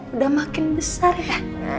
udah makin besar ya